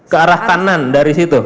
ke arah kanan dari situ